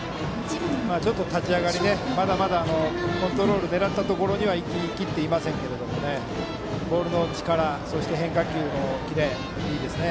ちょっと立ち上がりまだまだコントロール狙ったところには行ききっていませんけどボールの力、そして変化球のキレいいですね。